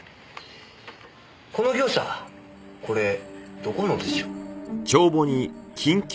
この業者これどこのでしょう？